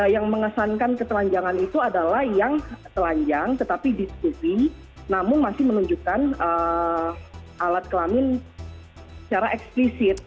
yang mengesankan ketelanjangan itu adalah yang telanjang tetapi diskusi namun masih menunjukkan alat kelamin secara eksplisit